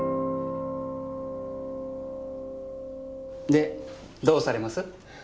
でどうされます？